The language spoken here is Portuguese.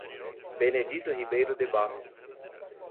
Benedito Ribeiro de Barros